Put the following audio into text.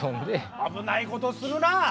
危ないことするな。